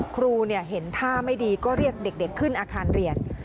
ครูเนี่ยเห็นท่าไม่ดีก็เรียกเด็กเด็กขึ้นอาการเรียน